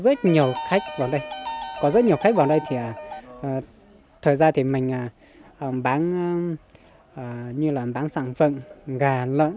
có rất nhiều khách vào đây có rất nhiều khách vào đây thì thời gian thì mình bán như là bán sản phẩm gà lợn